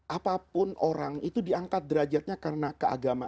apapun orang itu diangkat derajatnya karena keagamaan